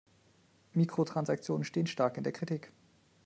Mikrotransaktionen stehen stark in der Kritik.